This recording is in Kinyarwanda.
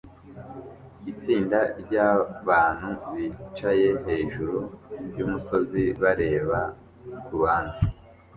Itsinda ryabantu bicaye hejuru yumusozi bareba kuruhande